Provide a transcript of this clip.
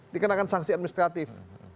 dikenakan sanksi administratif